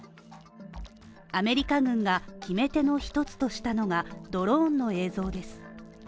アメリカ軍が決め手の一つとしたのが、ドローンの映像です。